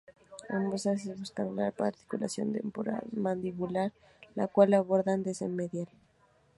Ambos haces buscan la articulación temporomandibular, la cual abordan desde medial.